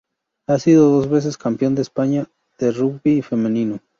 Ha sido dos veces campeón de España de rugby femenino.